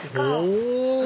お！